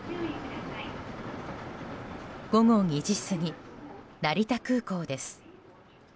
午後２時過ぎ、成田空港です。